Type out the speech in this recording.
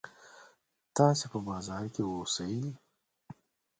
تاسې په بازار کې اوسئ.